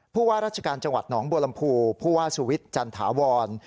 ผู้ว่าราชการจังหวัดหนองบัวลำพูผู้ว่าสุวิทย์จันถาวร